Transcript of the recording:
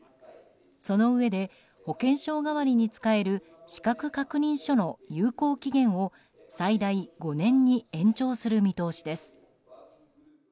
そのうえで保険証代わりに使える資格確認書の有効期限を最大５年に延長する見通しです。